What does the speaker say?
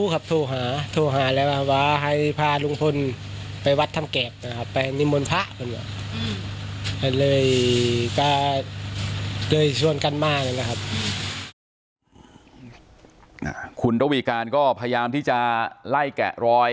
คุณระวีการก็พยายามที่จะไล่แกะรอย